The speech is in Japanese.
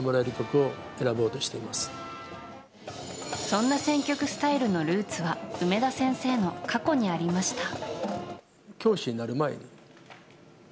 そんな選曲スタイルのルーツは梅田先生の過去にありました。